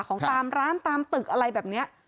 ของตามร้านตามตึกอะไรแบบนี้